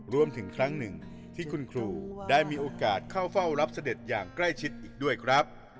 รวมถึงครั้งหนึ่งที่คุณครูได้มีโอกาสเข้าเฝ้ารับเสด็จอย่างใกล้ชิดอีกด้วยครับ